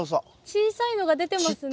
小さいのが出てますね。